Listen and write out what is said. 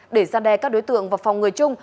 để ra đe các đối tượng vào phòng người chung